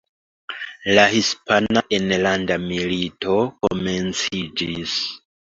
La Hispana Enlanda Milito komenciĝis.